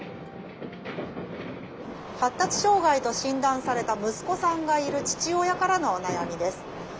発達障害と診断された息子さんがいる父親からのお悩みです。